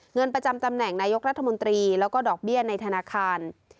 เงินประจำตำแหน่งนายกรัฐมนตรีแล้วก็ดอกเบี้ยในธนาคาร